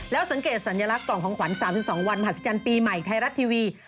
แล้วสังเกตสัญลักษณ์กล่องของขวัญ๓๒วันมหัศจรรย์ปีใหม่ไทยรัฐทีวี